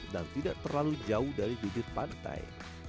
dan tidak terlalu jauh dari bibit pantai